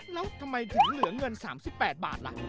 แล้วทำไมถึงเหลือเงิน๓๘บาทล่ะ